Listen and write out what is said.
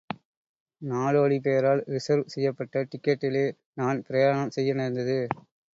நாடோடி பெயரால் ரிசர்வ் செய்யப்பட்ட டிக்கட்டிலே நான் பிரயாணம் செய்ய நேர்ந்தது.